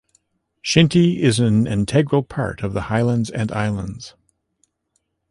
Shinty is an integral part of the Highlands and Islands.